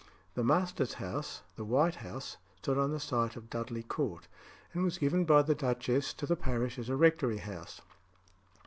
The master's house, "The White House," stood on the site of Dudley Court, and was given by the duchess to the parish as a rectory house.